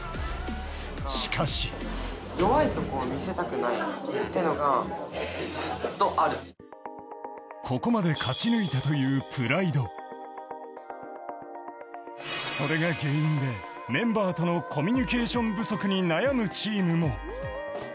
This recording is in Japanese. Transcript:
しかしここまで勝ち抜いたというプライド、それが原因でメンバーとのコミュニケーション不足に悩むチームも。